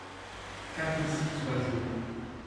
Quarante-six oiseaux.